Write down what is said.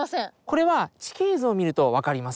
これは地形図を見ると分かります。